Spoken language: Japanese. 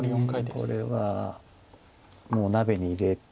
これはもう鍋に入れたという。